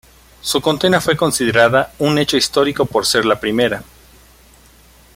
Su condena fue considerada un hecho histórico por ser la primera.